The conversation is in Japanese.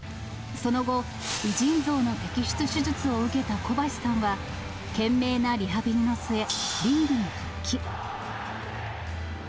その後、右腎臓の摘出手術を受けた小橋さんは、懸命なリハビリの末、リングに復帰。